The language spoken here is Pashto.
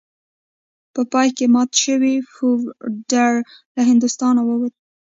په پای کې مات شوی پفاندر له هندوستانه ووت.